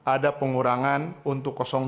ada pengurangan untuk dua